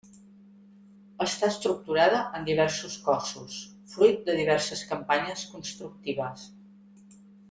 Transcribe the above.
Està estructurada en diversos cossos, fruit de diverses campanyes constructives.